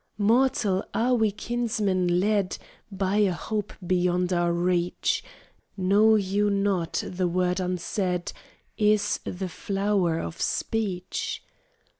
"Mortal, we are kinsmen, led By a hope beyond our reach. Know you not the word unsaid Is the flower of speech?"